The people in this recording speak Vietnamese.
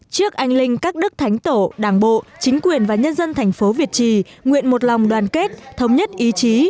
trước anh linh các đức thánh tổ đảng bộ chính quyền và nhân dân thành phố việt trì nguyện một lòng đoàn kết thống nhất ý chí